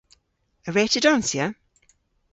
A wre'ta donsya?